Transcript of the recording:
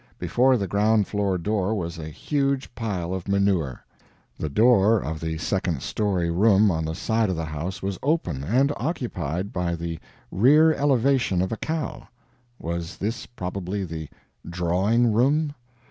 Before the ground floor door was a huge pile of manure. The door of the second story room on the side of the house was open, and occupied by the rear elevation of a cow. Was this probably the drawing room?